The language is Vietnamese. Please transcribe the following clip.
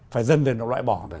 phải dần dần nó loại bỏ